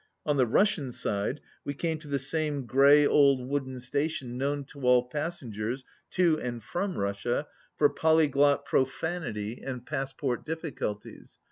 On the Russian side we came to the same grey old 5 wooden station known to all passengers to and from Russia for polyglot profanity and passport difficulties.